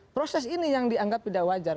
proses ini yang dianggap tidak wajar